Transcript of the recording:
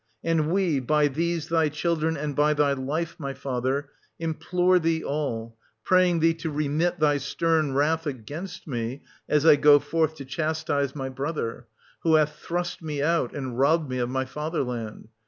And we, by these thy children and by thy life, my father, implore thee all, praying thee to remit thy stern wrath against me, as I go forth to chastise my brother, 1330 who hath thrust me out and robbed me of my father land.